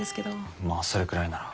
まあそれくらいなら。